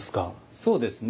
そうですね。